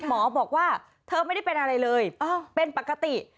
หมอบอกว่าเธอไม่ได้เป็นอะไรเลยเป็นปกติ